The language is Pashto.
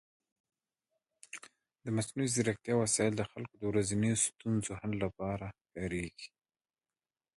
د مصنوعي ځیرکتیا وسایل د خلکو د ورځنیو ستونزو حل لپاره کارېږي.